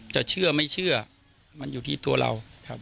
จะเชื่อไม่เชื่อมันอยู่ที่ตัวเราครับ